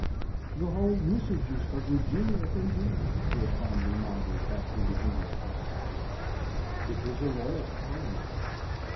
The whole usages of Virginia, indeed, were fondly modelled after the English customs. It was a loyal colony.